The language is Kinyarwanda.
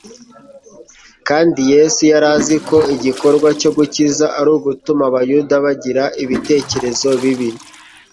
kandi Yesu yari azi ko igikorwa cyo gukiza ari ugutuma Abayuda bagira ibitekerezo bibi,